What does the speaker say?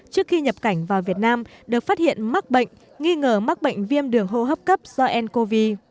trước khi nhập cảnh vào việt nam được phát hiện mắc bệnh nghi ngờ mắc bệnh viêm đường hô hấp cấp do ncov